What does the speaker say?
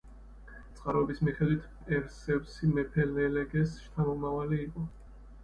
წყაროების მიხედვით პერსევსი მეფე ლელეგეს შთამომავალი იყო.